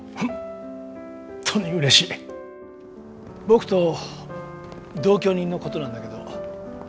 僕と同居人のことなんだけど。